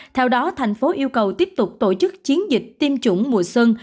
theo đó thành phố yêu cầu tiếp tục tổ chức chiến dịch tiêm chủng mùa xuân